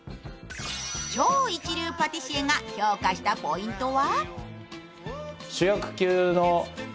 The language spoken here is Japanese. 超一流パティシエが評価したポイントは？